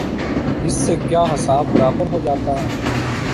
اس سے کیا حساب برابر ہو جاتا ہے؟